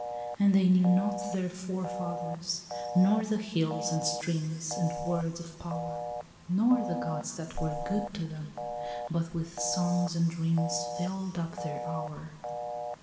And they knew not their forefathers, nor the hills and streams And words of power, Nor the gods that were good to them, but with songs and dreams Filled up their hour.